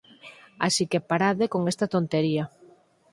Así que parade con esta tontería.